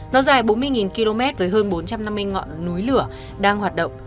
nó dài bốn mươi km với hơn bốn trăm năm mươi nơi